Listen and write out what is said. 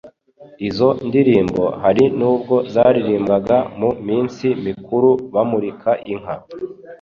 Izo ndirimbo hari n'ubwo zaririmbwaga mu minsi mikuru bamurika inka